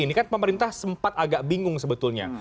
ini kan pemerintah sempat agak bingung sebetulnya